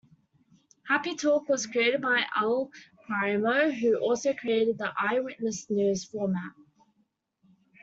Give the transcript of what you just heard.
Happy Talk was created by Al Primo, who also created the "Eyewitness News" format.